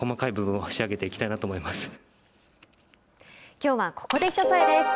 きょうはここで「ひとそえ」です。